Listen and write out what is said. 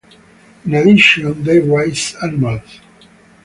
In addition, they raised animals.